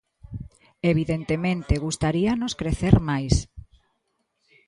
Evidentemente, gustaríanos crecer máis.